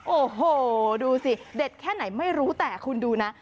โอ้โหดูสิเด็ดแค่ไหนไม่รู้แต่คุณดูนะ